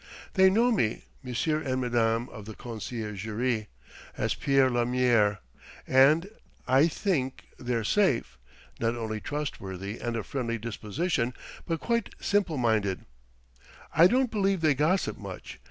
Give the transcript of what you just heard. They know me, monsieur and madame of the conciergerie, as Pierre Lamier; and I think they're safe not only trustworthy and of friendly disposition, but quite simple minded; I don't believe they gossip much.